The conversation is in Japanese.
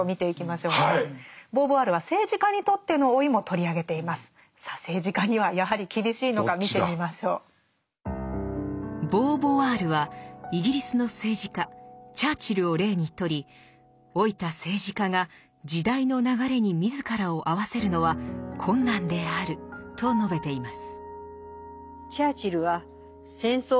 ボーヴォワールはイギリスの政治家チャーチルを例にとり老いた政治家が時代の流れに自らを合わせるのは困難であると述べています。